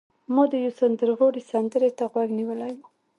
ما د یو سندرغاړي سندرې ته غوږ نیولی و